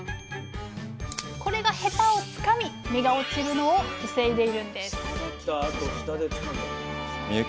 これがヘタをつかみ実が落ちるのを防いでいるんです深雪